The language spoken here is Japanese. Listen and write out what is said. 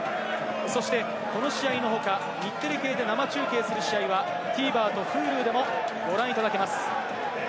そして、この試合のほか、日テレ系で生中継する試合はＴＶｅｒとＨｕｌｕでもご覧いただけます。